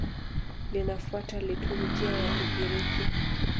Linafuata liturujia ya Ugiriki.